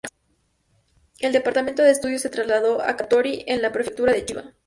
El departamento de estudios se trasladó a Katori en la Prefectura de Chiba.